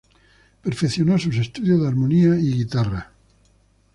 Perfeccionó sus estudios de armonía y guitarra.